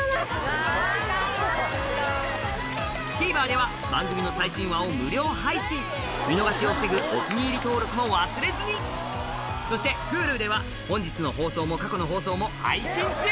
ＴＶｅｒでは番組の最新話を無料配信見逃しを防ぐ「お気に入り」登録も忘れずにそしてＨｕｌｕでは本日の放送も過去の放送も配信中